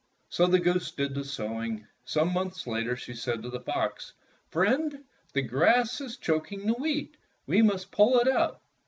So the goose did the sowing. Some months later she said to the fox, "Friend, the grass is choking the wheat. We must pull it out."